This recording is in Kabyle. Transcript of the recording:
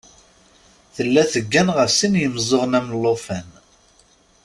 Tella teggan ɣef sin n yimeẓẓuɣen am lṭufan.